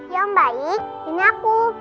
ya mbaik ini aku